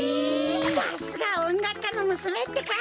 さすがおんがくかのむすめってか！